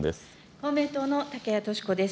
公明党の竹谷とし子です。